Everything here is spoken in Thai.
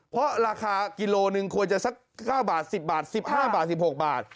เพราะราคากิโลหนึ่งควรจะสัก๙บาท๑๐บาท๑๕บาท๑๖บาท